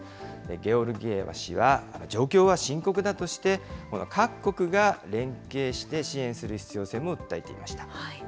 ゲオルギエワ氏は、状況は深刻だとして、各国が連携して支援する必要性も訴えていました。